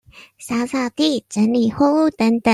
掃掃地、整理貨物等等